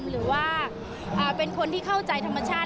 หรือว่าเป็นคนที่เข้าใจธรรมชาติ